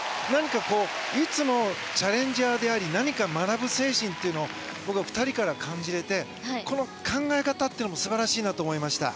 いつもチャレンジャーであり何か、学ぶ精神を僕は２人から感じられてこの考え方も素晴らしいと思いました。